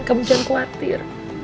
kamu jangan khawatir